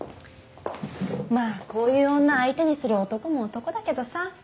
まあこういう女相手にする男も男だけどさ。